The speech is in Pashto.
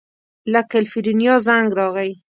له کلیفورنیا زنګ راغی.